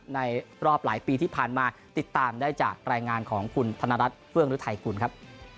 ในรอบหลายปีที่ผ่านมาติดตามได้จากรายงานของคุณธนรัฐเฟื้องฤทัยกุลครับ